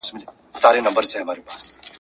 د زمان پر پستو رېګو یې ښکاریږي قدمونه ..